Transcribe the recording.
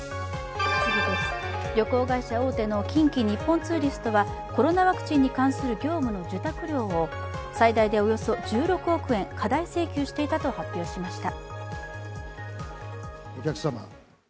旅行会社大手の近畿日本ツーリストはコロナワクチンに関する業務の受託料を最大でおよそ１６億円過大請求していたと発表しました。